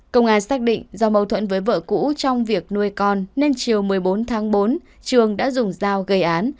công an xác định do mâu thuẫn với vợ cũ trong việc nuôi con nên chiều một mươi bốn tháng bốn trường đã dùng dao gây án